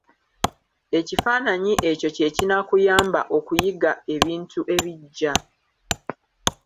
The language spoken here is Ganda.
Ekifaananyi ekyo kye kinaakuyambanga okuyiga ebintu ebiggya.